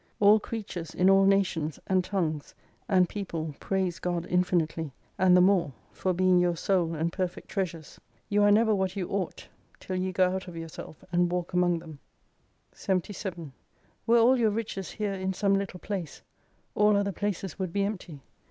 All creatures in all nations, and tongues, and people praise God infinitely ; and the more, for being your sole and perfect treasures. You are never what you ought till you go out of yourself and walk among them. i3» 77 Were all your riches here in some little place : all other places would be empty.